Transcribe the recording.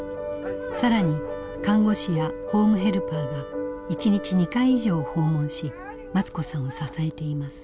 更に看護師やホームヘルパーが１日２回以上訪問しマツ子さんを支えています。